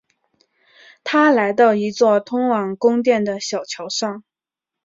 他来到一座通往宫殿的小桥上。